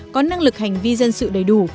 có năng lực hành vi dân sự đầy đủ